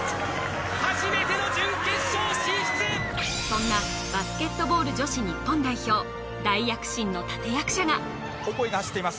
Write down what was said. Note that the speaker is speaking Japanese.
そんなバスケットボール女子日本代表大躍進の立役者がオコエが走っています